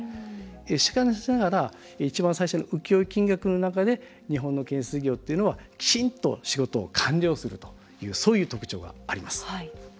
しかしながら一番最初の請負金額の中で日本の建設業というのはきちんと仕事を完了するというそういう特徴があります。